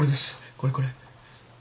これこれ。